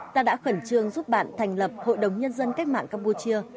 ta đã khẩn trương giúp bạn thành lập hội đồng nhân dân cách mạng campuchia